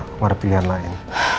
aku ada pilihan lain